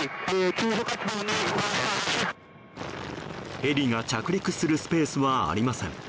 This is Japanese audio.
ヘリが着陸するスペースはありません。